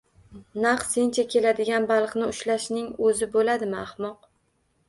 “Naq sencha keladigan baliqni ushlashning o’zi bo’ladimi, ahmoq”